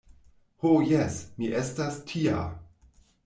Ho jes! mi estas tia.